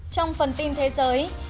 trong phần tin thế giới